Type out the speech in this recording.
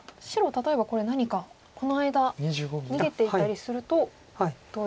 例えばこれ何かこの間逃げていったりするとどうですか？